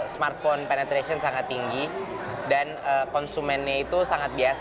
smartphone penetration sangat tinggi dan konsumennya itu sangat biasa